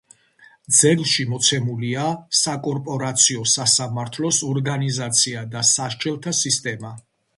ძეგლში მოცემულია საკორპორაციო სასამართლოს ორგანიზაცია და სასჯელთა სისტემა.